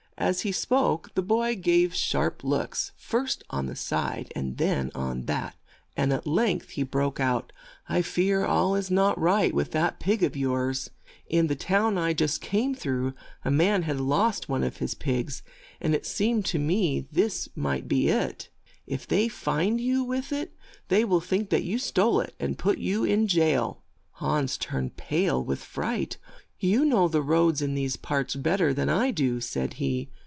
As he spoke the boy gave sharp looks, first on this side and then on that, and at length he broke out. "I fear all is not right with that pig of yours. In the town I just came through a man had lost one of his pigs, and it seems to me this may be it. If they find you with it they will think that you stole it, and may put you in jail." Hans turned pale with fright. "You know the roads in these parts bet ter than I do," said he.